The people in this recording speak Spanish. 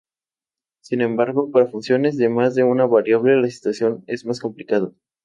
Sin embargo, para funciones de más de una variable la situación es más complicada.